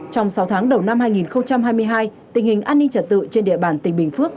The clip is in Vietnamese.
trong sáu tháng đầu năm hai nghìn hai mươi hai tình hình an ninh trật tự trên địa bàn tỉnh bình phước